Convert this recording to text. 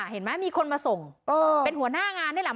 เห็นไหมมีคนมาส่งเป็นหัวหน้างานนี่แหละ